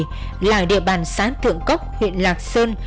thông tin các trinh sát gửi về là địa bàn sáng thượng cốc huyện lạc sơn